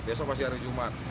besok masih hari jumat